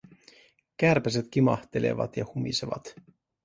Kärpäset kimahtelevat ja humisevat.